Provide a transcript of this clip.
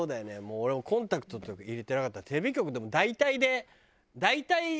俺もコンタクトとか入れてなかったらテレビ局でも大体で。